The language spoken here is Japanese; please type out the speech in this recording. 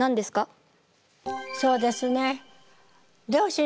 そうですね両親